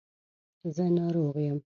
زه ناروغ یم.